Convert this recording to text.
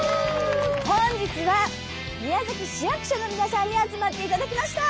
本日は宮崎市役所の皆さんに集まっていただきました。